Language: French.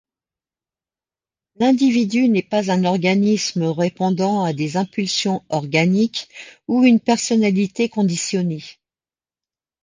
L'individu n’est pas un organisme répondant à des impulsions organiques ou une personnalité conditionnée.